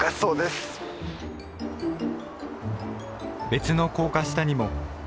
別の高架下にも。